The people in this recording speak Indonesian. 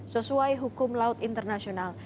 sesuai hukum laut internasional